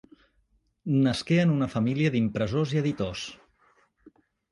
Nasqué en una família d'impressors i editors.